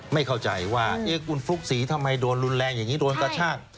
ไม่เข้าใจว่าคุณฟลุกศรีทำไมโดนรุนแรงอย่างนี้โดนกระชาก